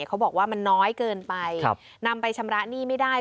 เขาบอกว่ามันน้อยเกินไปนำไปชำระหนี้ไม่ได้